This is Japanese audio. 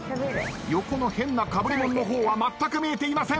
横の変なかぶりもんの方はまったく見えていません。